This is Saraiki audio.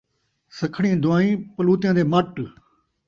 سکھڑیں دعائیں پلوتیاں دے مٹ